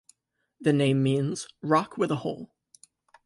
The name means "Rock with a hole".